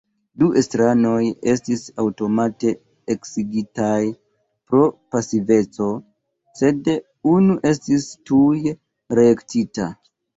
Du estraranoj estis aŭtomate eksigitaj pro pasiveco, sed unu estis tuj reelektita.